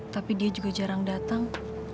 tapi dia juga jarang datang